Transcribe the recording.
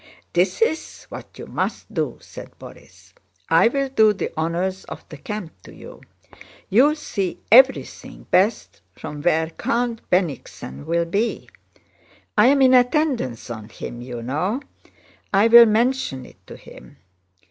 "This is what you must do," said Borís. "I will do the honors of the camp to you. You will see everything best from where Count Bennigsen will be. I am in attendance on him, you know; I'll mention it to him.